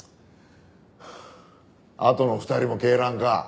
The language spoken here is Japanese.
あとの２人も恵蘭か？